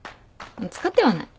使ってはない。